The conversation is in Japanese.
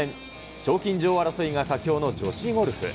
賞金女王争いが佳境の女子ゴルフ。